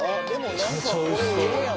めちゃめちゃおいしそう。